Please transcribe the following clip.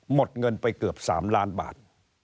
หมดเงินไปเกือบ๓ล้านบาท